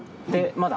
まだ？